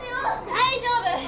大丈夫！